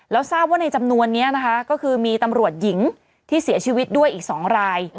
แล้วทราบว่าในจำนวนนี้นะคะก็คือมีตำรวจหญิงที่เสียชีวิตด้วยอีก๒ราย